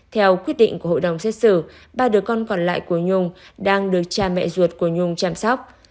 theo quyết định của hội đồng xét xử ba đứa con còn lại của nhung đang được cha mẹ ruột của nhung chăm sóc